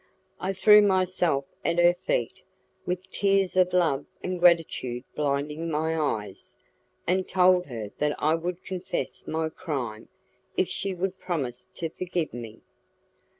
I threw myself at her feet, with tears of love and gratitude blinding my eyes, and told her that I would confess my crime, if she would promise to forgive me.